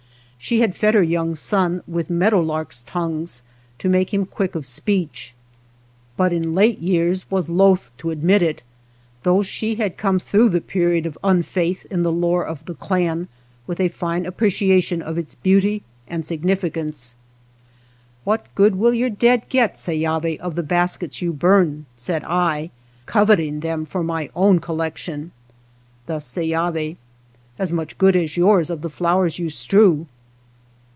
She had fed her young son with meadowlarks' tongues, to make him quick of speech ; but in late years was loath to 172 THE BASKET MAKER admit it, though she had come through the period of unfaith in the lore of the clan with a fine appreciation of its beauty and significance. " What good will your dead get, Seyavi, of the baskets you burn ?" said I, coveting them for my own collection. Thus Seyavi, " As much good as yours of the flowers you strew."